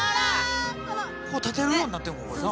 こう立てるようになってんのこれな。